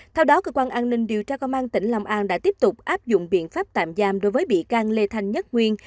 theo đó cơ quan an ninh điều tra công an tỉnh long an đã tiếp tục áp dụng biện pháp tạm giam đối với bị can lê thanh nhất nguyên